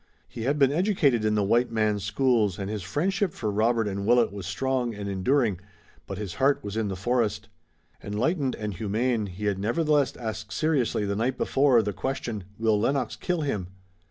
He had been educated in the white man's schools, and his friendship for Robert and Willet was strong and enduring, but his heart was in the forest. Enlightened and humane, he had nevertheless asked seriously the night before the question: "Will Lennox kill him?"